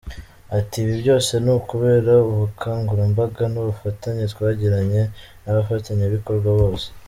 Ati: “Ibi byose ni ukubera ubukangurambaga n’ubufatanye twagiranye n’abafatanyabikorwa bose.